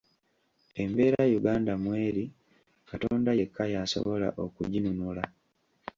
Embeera Uganda mw'eri Katonda yekka y'asobola okuginunula.